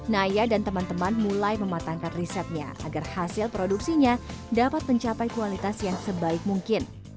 naya dan teman teman mulai mematangkan risetnya agar hasil produksinya dapat mencapai kualitas yang sebaik mungkin